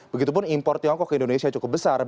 begitupun impor tiongkok ke indonesia cukup besar